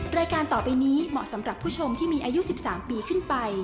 รายการต่อไปนี้เหมาะสำหรับผู้ชมที่มีอายุ๑๓ปีขึ้นไป